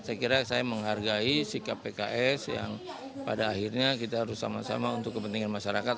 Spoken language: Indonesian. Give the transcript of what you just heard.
saya kira saya menghargai sikap pks yang pada akhirnya kita harus sama sama untuk kepentingan masyarakat